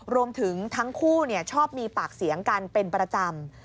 รวมถึงทั้งคู่ชอบมีปากเสียงกันเป็นประจำ